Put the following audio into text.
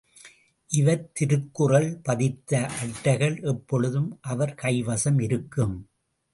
இவர் திருக்குறள் பதித்த அட்டைகள் எப்பொழுதும், அவர் கைவசம் இருக்கும்.